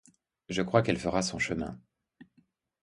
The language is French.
Je crois qu’elle fera son chemin.